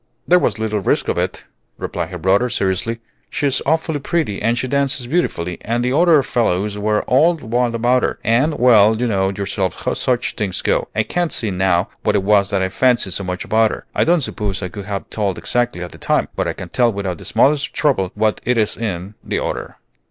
"There was a little risk of it," replied her brother, seriously. "She's awfully pretty and she dances beautifully, and the other fellows were all wild about her, and well, you know yourself how such things go. I can't see now what it was that I fancied so much about her, I don't suppose I could have told exactly at the time; but I can tell without the smallest trouble what it is in the other."